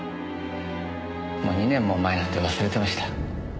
もう２年も前なんで忘れてました。